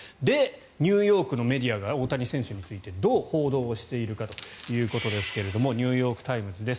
ニューヨークのメディアが大谷選手についてどう報道をしているかというとニューヨーク・タイムズです。